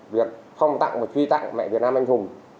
việc phong tặng và truy tặng mẹ việt nam anh hùng